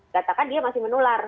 katakan dia masih menular